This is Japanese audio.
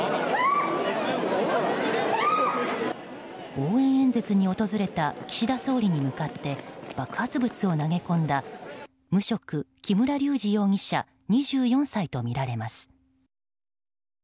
応援演説に訪れた岸田総理に向かって爆発物を投げ込んだ無職、木村隆二容疑者２４歳とみられます。